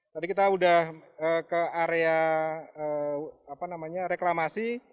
tadi kita sudah ke area reklamasi